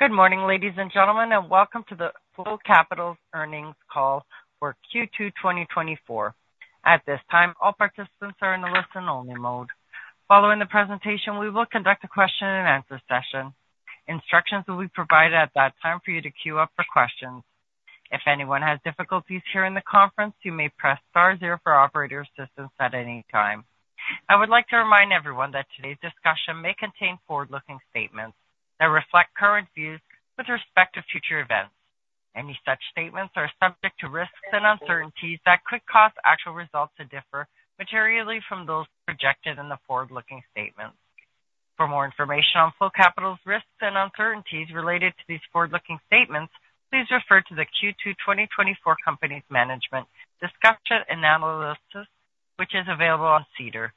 Good morning, ladies and gentlemen, and welcome to the Flow Capital's earnings call for Q2 2024. At this time, all participants are in a listen-only mode. Following the presentation, we will conduct a question-and-answer session. Instructions will be provided at that time for you to queue up for questions. If anyone has difficulties hearing the conference, you may press star zero for operator assistance at any time. I would like to remind everyone that today's discussion may contain forward-looking statements that reflect current views with respect to future events. Any such statements are subject to risks and uncertainties that could cause actual results to differ materially from those projected in the forward-looking statements. For more information on Flow Capital's risks and uncertainties related to these forward-looking statements, please refer to the Q2 2024 company's management discussion and analysis, which is available on SEDAR.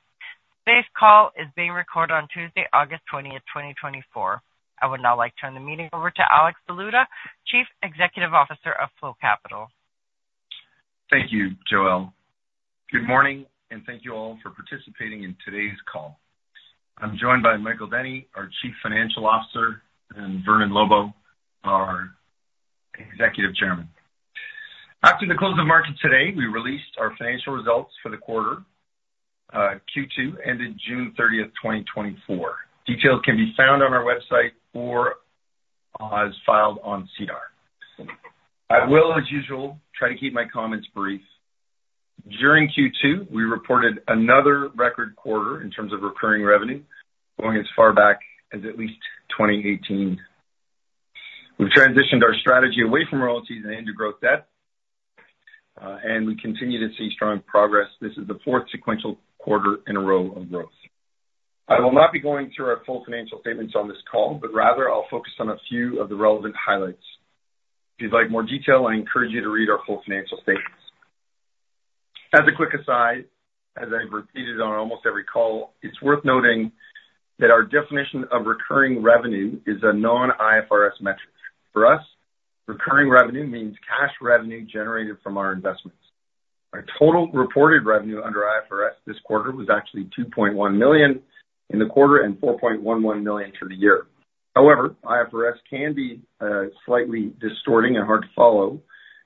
Today's call is being recorded on Tuesday, August 20th, 2024. I would now like to turn the meeting over to Alex Baluta, Chief Executive Officer of Flow Capital. Thank you, Joelle. Good morning and thank you all for participating in today's call. I'm joined by Michael Denny, our Chief Financial Officer, and Vernon Lobo, our Executive Chairman. After the close of market today, we released our financial results for the quarter, Q2, ended June 30th, 2024. Details can be found on our website or, as filed on SEDAR. I will, as usual, try to keep my comments brief. During Q2, we reported another record quarter in terms of recurring revenue, going as far back as at least twenty eighteen. We've transitioned our strategy away from royalties and into growth debt, and we continue to see strong progress. This is the fourth sequential quarter in a row of growth. I will not be going through our full financial statements on this call, but rather I'll focus on a few of the relevant highlights. If you'd like more detail, I encourage you to read our full financial statements. As a quick aside, as I've repeated on almost every call, it's worth noting that our definition of recurring revenue is a non-IFRS metric. For us, recurring revenue means cash revenue generated from our investments. Our total reported revenue under IFRS this quarter was actually 2.1 million in the quarter and 4.11 million for the year. However, IFRS can be slightly distorting and hard to follow,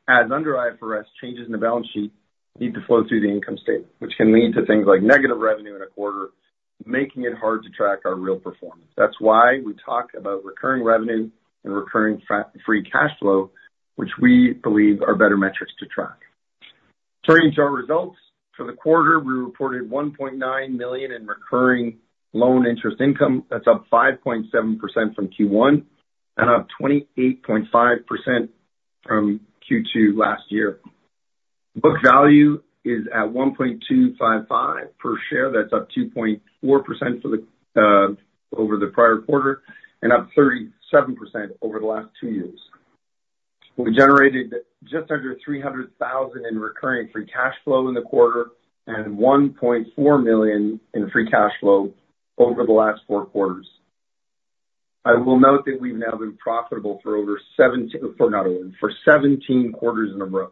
as under IFRS, changes in the balance sheet need to flow through the income statement, which can lead to things like negative revenue in a quarter, making it hard to track our real performance. That's why we talk about recurring revenue and recurring free cash flow, which we believe are better metrics to track. Turning to our results. For the quarter, we reported 1.9 million in recurring loan interest income. That's up 5.7% from Q1 and up 28.5% from Q2 last year. Book value is at 1.255 per share. That's up 2.4% for the over the prior quarter and up 37% over the last two years. We generated just under 300,000 in recurring free cash flow in the quarter and 1.4 million in free cash flow over the last four quarters. I will note that we've now been profitable for over seventeen, for not over, for 17 quarters in a row.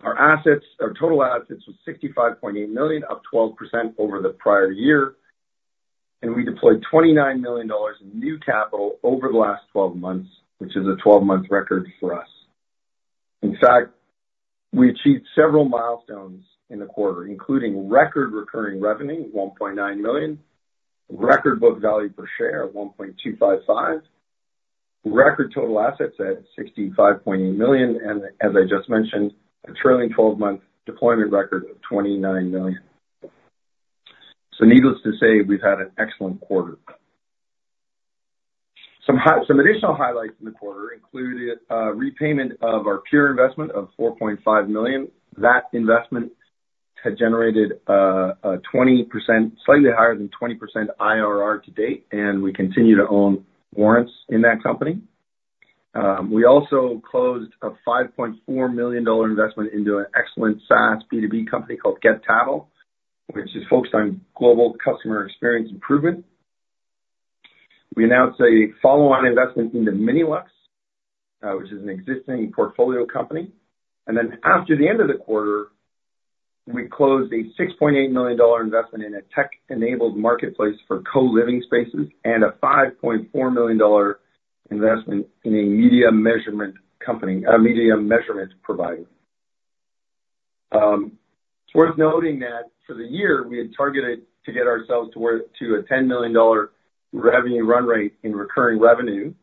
Our assets, our total assets was 65.8 million, up 12% over the prior year, and we deployed 29 million dollars in new capital over the last twelve months, which is a twelve-month record for us. In fact, we achieved several milestones in the quarter, including record recurring revenue, 1.9 million, record book value per share of 1.255, record total assets at 65.8 million, and as I just mentioned, a trailing twelve-month deployment record of 29 million. So needless to say, we've had an excellent quarter. Some additional highlights in the quarter included repayment of our Pyer investment of 4.5 million. That investment had generated a 20%, slightly higher than 20% IRR to date, and we continue to own warrants in that company. We also closed a 5.4 million dollar investment into an excellent SaaS B2B company called Tattle, which is focused on global customer experience improvement. We announced a follow-on investment into MiniLuxe, which is an existing portfolio company. And then after the end of the quarter, we closed a 6.8 million dollar investment in a tech-enabled marketplace for co-living spaces and a 5.4 million dollar investment in a media measurement company, a media measurement provider. It's worth noting that for the year, we had targeted to get ourselves to a 10 million dollar revenue run rate in recurring revenue,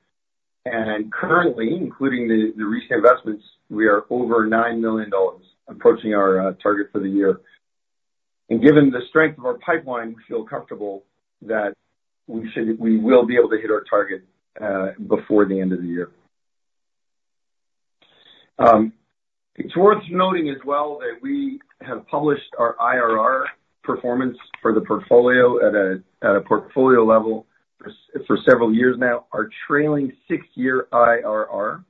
and currently, including the recent investments, we are over 9 million dollars, approaching our target for the year. And given the strength of our pipeline, we feel comfortable that we should, we will be able to hit our target before the end of the year. It's worth noting as well that we have published our IRR performance for the portfolio at a portfolio level for several years now. Our trailing six-year IRR,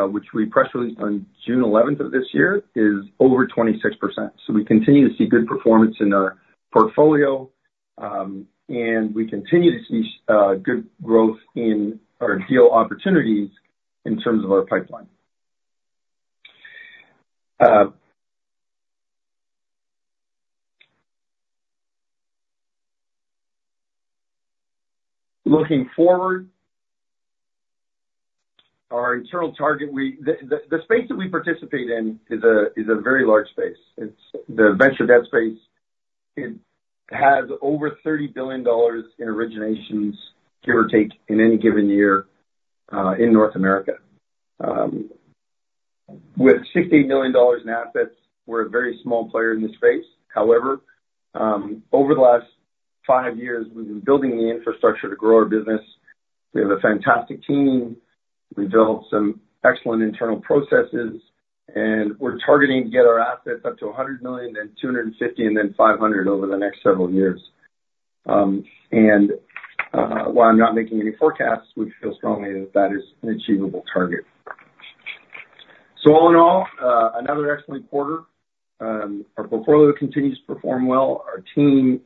which we press released on June eleventh of this year, is over 26%. So we continue to see good performance in our portfolio, and we continue to see good growth in our deal opportunities in terms of our pipeline. Looking forward, our internal target, the space that we participate in is a very large space. It's the venture debt space. It has over $30 billion in originations, give or take, in any given year, in North America. With 60 million dollars in assets, we're a very small player in this space. However, over the last five years, we've been building the infrastructure to grow our business. We have a fantastic team. We've developed some excellent internal processes, and we're targeting to get our assets up to 100 million, then 250 million, and then 500 million over the next several years, and while I'm not making any forecasts, we feel strongly that that is an achievable target, so all in all, another excellent quarter. Our portfolio continues to perform well. Our team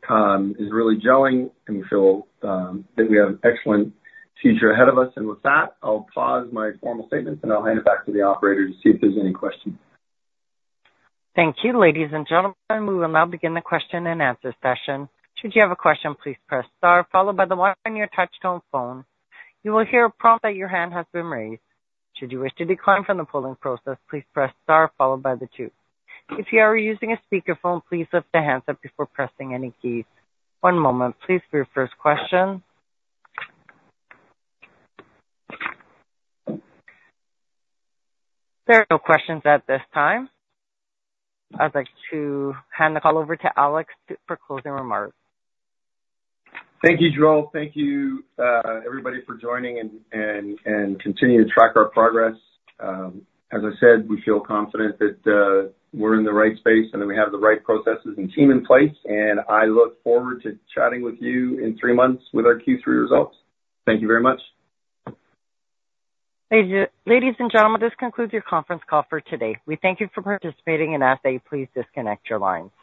is really gelling, and we feel that we have an excellent future ahead of us. With that, I'll pause my formal statements, and I'll hand it back to the operator to see if there's any questions. Thank you, ladies and gentlemen. We will now begin the question-and-answer session. Should you have a question, please press star followed by the one on your touchtone phone. You will hear a prompt that your hand has been raised. Should you wish to decline from the polling process, please press star followed by the two. If you are using a speakerphone, please lift the handset before pressing any keys. One moment, please, for your first question. There are no questions at this time. I'd like to hand the call over to Alex for closing remarks. Thank you, Joelle. Thank you, everybody for joining and continuing to track our progress. As I said, we feel confident that we're in the right space and that we have the right processes and team in place, and I look forward to chatting with you in three months with our Q3 results. Thank you very much. Thank you. Ladies and gentlemen, this concludes your conference call for today. We thank you for participating and ask that you please disconnect your lines.